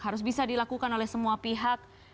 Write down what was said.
harus bisa dilakukan oleh semua pihak